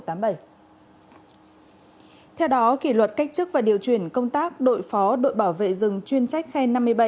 theo đó kỷ luật cách chức và điều chuyển công tác đội phó đội bảo vệ rừng chuyên trách khen năm mươi bảy